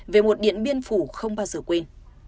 về một điện biên phủ không bao giờ quên